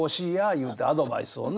言うてアドバイスをな。